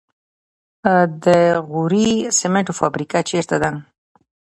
د غوري سمنټو فابریکه چیرته ده؟